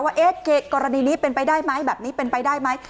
ว่ากรณีนี้เป็นไปได้ไหมแบบนี้เป็นไปได้ไหม